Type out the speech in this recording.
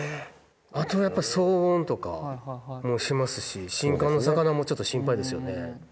あとやっぱり騒音とかもしますし新館の魚もちょっと心配ですよね。